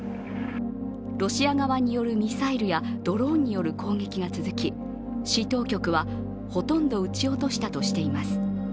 ロシア側によるミサイルやドローンによる攻撃が続き市当局は、ほとんど撃ち落としたとしています。